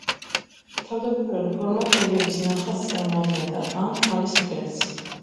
თავდაპირველი ფორმა კბილების ნახატს წარმოადგენდა, ან ქალის მკერდს.